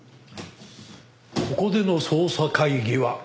ここでの捜査会議は。